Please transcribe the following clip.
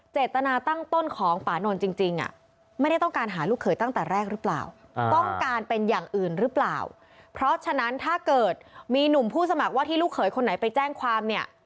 เป็นอย่างอื่นหรือเปล่าเพราะฉะนั้นถ้าเกิดมีหนุ่มผู้สมัครว่าที่ลูกเขยคนไหนไปแจ้งความเนี่ย